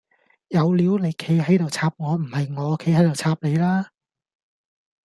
有料你企喺度插我唔係我企喺度插你啦